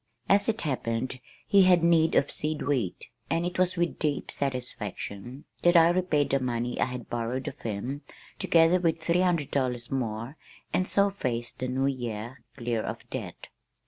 As it happened he had need of seed wheat, and it was with deep satisfaction that I repaid the money I had borrowed of him, together with three hundred dollars more and so faced the new year clear of debt.